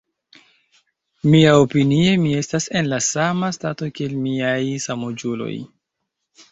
Miaopinie, mi estas en la sama stato kiel miaj samaĝuloj.